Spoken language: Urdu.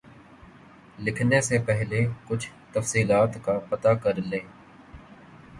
لکھنے سے پہلے کچھ تفصیلات کا پتہ کر لیں